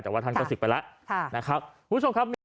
แต่ว่าท่านก็ศึกไปแล้วนะครับ